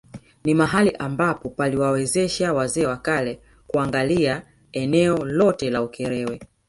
Ni mahali ambapo paliwawezesha wazee wa kale kuangali eneo lote la Ukerewe